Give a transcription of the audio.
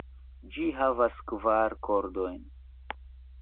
Ĝi havas kvar kordojn.